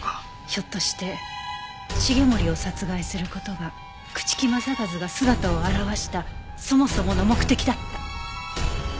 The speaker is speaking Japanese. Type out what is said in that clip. ひょっとして繁森を殺害する事が朽木政一が姿を現したそもそもの目的だった？